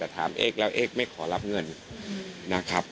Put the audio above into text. แต่ถามเอกแล้วเอ็กซไม่ขอรับเงินนะครับ